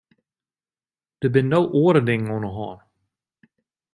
Der binne no oare dingen oan de hân.